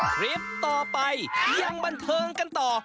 คลิปต่อไปยังบันเทิงกันต่อ